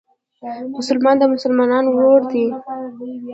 مسلمان د مسلمان ورور دئ.